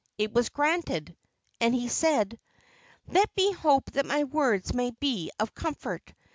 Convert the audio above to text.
It was granted, and he said: "Let me hope that my words may be of comfort.